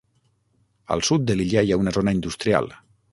Al sud de l'illa hi ha una zona industrial.